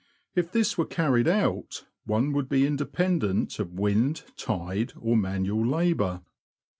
If this were carried out, one would be independent of wind, tide, or manual labour.